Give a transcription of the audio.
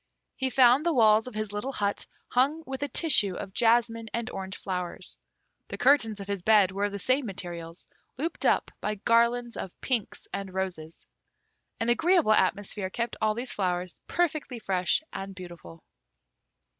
He found the walls of his little hut hung with a tissue of jasmine and orange flowers. The curtains of his bed were of the same materials, looped up by garlands of pinks and roses. An agreeable atmosphere kept all these flowers perfectly fresh and beautiful.